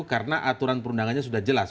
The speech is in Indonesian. karena aturan perundangannya sudah jelas